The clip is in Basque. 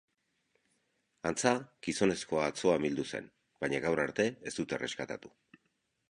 Antza, gizonezkoa atzo amildu zen, baina gaur arte ez dute erreskatatu.